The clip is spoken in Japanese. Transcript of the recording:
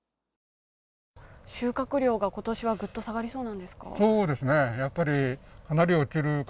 収穫量が今年はグッと下がりそうなんですか？